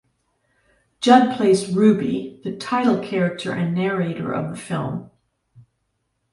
Judd plays Ruby, the title character and narrator of the film.